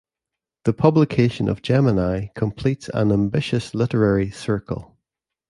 The publication of Gemini completes an ambitious literary circle.